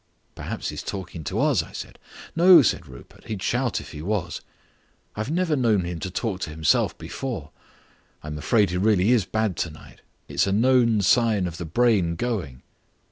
"Perhaps he's talking to us," I said. "No," said Rupert, "he'd shout if he was. I've never known him to talk to himself before; I'm afraid he really is bad tonight; it's a known sign of the brain going."